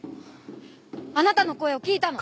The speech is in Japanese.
あなたの声を聞いたの。